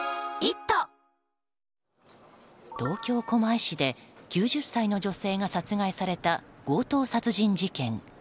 東京・狛江市で９０歳の女性が殺害された強盗殺人事件。